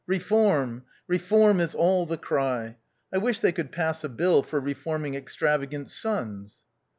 Eeform — reform is all the cry. I wish they could pass a bill for reforming extravagant sons."